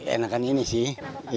enakan ini sih